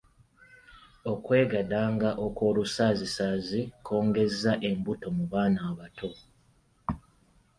Okwegadanga okwolusaazisaazi kwongezza embuto mu baana abato.